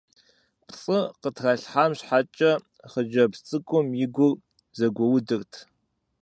ПцӀы къытралъхьам щхьэкӀэ хъыджэбз цӀыкӀум и гур зэгуэудырт.